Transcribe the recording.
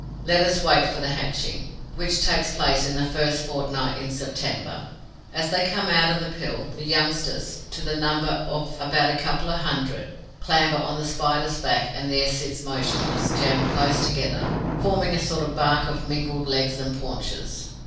Let us wait for the hatching, which takes place in the first fortnight in September. As they come out of the pill, the youngsters, to the number of about a couple of hundred, clamber on the Spider's back and there sit motionless, jammed close together, forming a sort of bark of mingled legs and paunches.